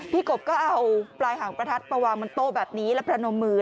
พี่กบก็เอาปลายห่างประทัดประวังมันโตแบบนี้แล้วพนมมือ